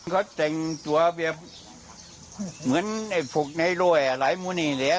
เขาแต่งตัวเบียบเหมือนไอ้ฝุกในรวยอะไรมะนี่แหละ